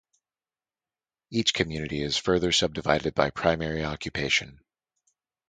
Each community is further subdivided by primary occupation.